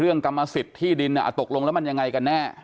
กรรมสิทธิ์ที่ดินตกลงแล้วมันยังไงกันแน่